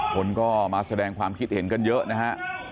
คนก็มาแสดงความคิดเห็นกันเยอะนะฮะ